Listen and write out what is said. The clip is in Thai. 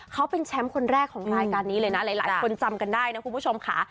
เขาเป็นแชมป์คนแรกของรายการนี้เลยนะหลายคนจำกันได้นะคุณผู้ชมค่ะ